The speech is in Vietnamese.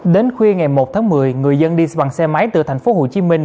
đến khuya ngày một tháng một mươi người dân đi bằng xe máy từ thành phố hồ chí minh